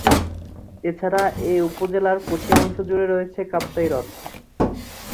এছাড়া এ উপজেলার পশ্চিমাংশ জুড়ে রয়েছে কাপ্তাই হ্রদ।